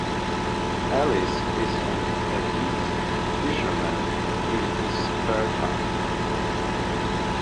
Ellis is an avid fisherman in his spare time.